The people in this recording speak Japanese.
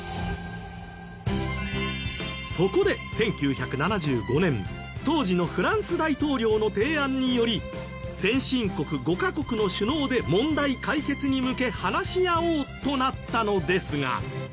そこで１９７５年当時のフランス大統領の提案により先進国５カ国の首脳で問題解決に向け話し合おうとなったのですが。